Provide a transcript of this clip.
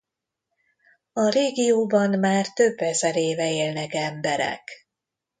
A régióban már több ezer éve élnek emberek.